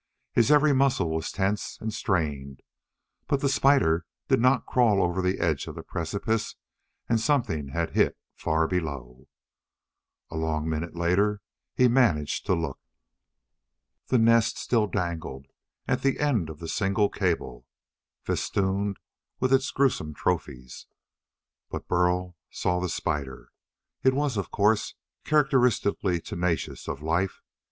His every muscle was tense and strained. But the spider did not crawl over the edge of the precipice and something had hit far below. A long minute later he managed to look. The nest still dangled at the end of the single cable, festooned with its gruesome trophies. But Burl saw the spider. It was, of course, characteristically tenacious of life.